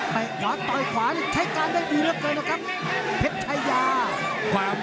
ไปหวานต่อยขวาใช้การได้ดีเยอะเกินนะครับเพชรไทยา